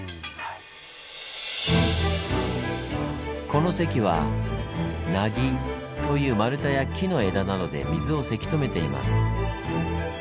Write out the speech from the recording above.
この堰は「投渡木」という丸太や木の枝などで水をせき止めています。